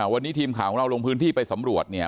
วันนี้ทีมข่าวของเราลงพื้นที่ไปสำรวจเนี่ย